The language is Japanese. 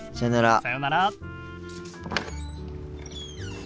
さようなら。